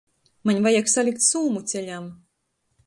Maņ vajag salikt sūmu ceļam.